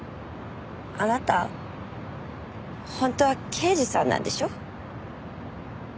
あなた本当は刑事さんなんでしょ？